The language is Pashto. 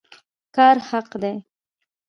کار حق دی